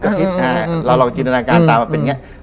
เราลองจินตนาการตามมาเป็นอย่างนี้